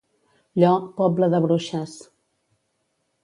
Llo, poble de bruixes.